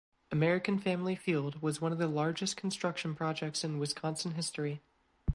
American Family Field was one of the largest construction projects in Wisconsin history.